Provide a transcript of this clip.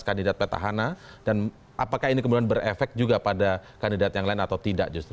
kandidat petahana dan apakah ini kemudian berefek juga pada kandidat yang lain atau tidak justru